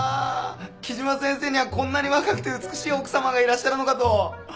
木島先生にはこんなに若くて美しい奥様がいらっしゃるのかと。